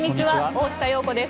大下容子です。